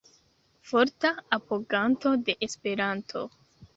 Forta apoganto de Esperanto.